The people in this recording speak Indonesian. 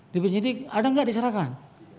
di penyidik ada nggak diserahkan